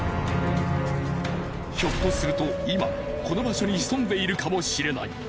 ひょっとすると今この場所に潜んでいるかもしれない。